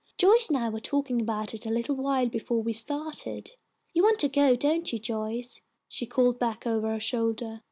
Joyce and I were talking about it a little while before we started. You want to go, don't you, Joyce?" she called back over her shoulder.